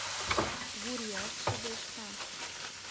— Гурият шыдешка.